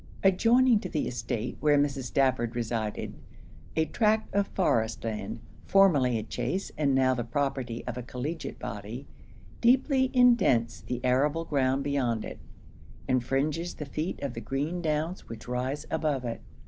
Adjoining to the estate where Mrs. Stafford resided, a tract of forest land, formerly a chase and now the property of a collegiate body, deeply indents the arable ground beyond it, and fringes the feet of the green downs which rise above it.